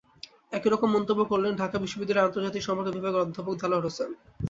একই রকম মন্তব্য করলেন ঢাকা বিশ্ববিদ্যালয়ের আন্তর্জাতিক সম্পর্ক বিভাগের অধ্যাপক দেলোয়ার হোসেন।